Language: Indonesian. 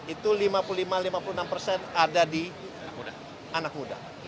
itu lima puluh lima lima puluh enam persen ada di anak muda